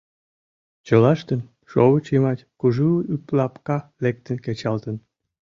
Чылаштын шовыч йымач кужу ӱплапка лектын кечалтын.